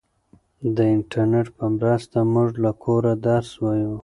د انټرنیټ په مرسته موږ له کوره درس وایو.